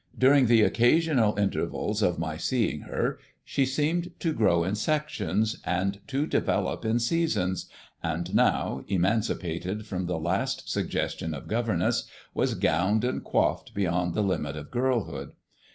During the occasional intervals of my seeing her she seemed to grow in sections and to develop in seasons, and now, emancipated from the last suggestion of governess, was gowned and coifed beyond the limit of girlhood.